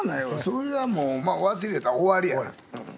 それはもう忘れたら終わりやな。